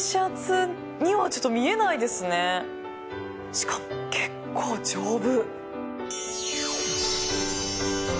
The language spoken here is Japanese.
しかも結構丈夫。